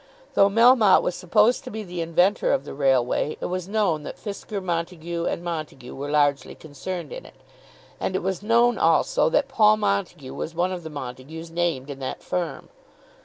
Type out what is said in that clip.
Though Melmotte was supposed to be the inventor of the railway, it was known that Fisker, Montague, and Montague were largely concerned in it, and it was known also that Paul Montague was one of the Montagues named in that firm.